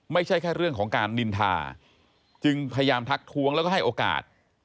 ไม่ใช่แค่เรื่องของการนินทาจึงพยายามทักท้วงแล้วก็ให้โอกาส